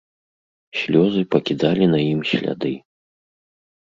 Слёзы пакідалі на ім сляды.